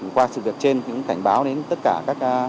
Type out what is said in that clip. qua sự việc trên cảnh báo đến tất cả các